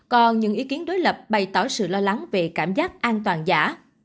còn những ý kiến đối lập bày tỏ sự lo lắng về cảm giác an toàn giả